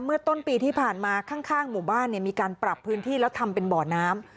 เมื่อต้นปีที่ผ่านมาข้างหมู่บ้านมีการปรับพื้นที่แล้วทำเป็นบ่อน้ำ